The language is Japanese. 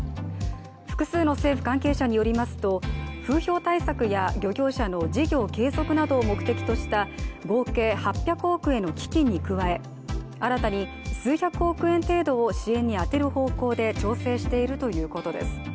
複数の政府関係者によりますと風評対策や漁業者の事業継続などを目的とした合計８００億円の基金に加え新たに数百億円程度を支援に充てる方向で調整しているということです。